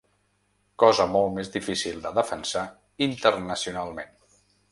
Cosa molt més difícil de defensar internacionalment.